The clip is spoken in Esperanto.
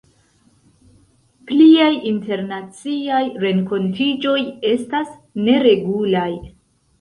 Pliaj internaciaj renkontiĝoj estas neregulaj.